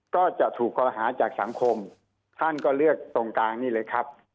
ก็จะถูกคอรหาจากสังคมท่านก็เลือกตรงกลางนี่เลยครับ